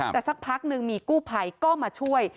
แต่สักพักหนึ่งมีกู้ภัยก็มาช่วย